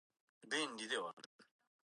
あなたのことを理解ができませんね